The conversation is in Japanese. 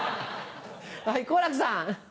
はい好楽さん。